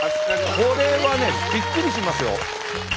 これはねびっくりしますよ。